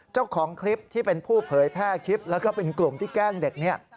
เจ้าของคลิปที่เป็นผู้เผยแพร่คลิปแล้วก็เป็นกลุ่มที่แกล้งเด็กเนี่ย